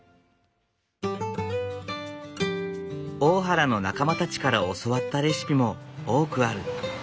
大原の仲間たちから教わったレシピも多くある。